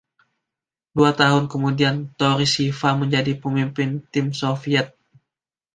Dua tahun kemudian, Tourischeva menjadi pemimpin tim Soviet.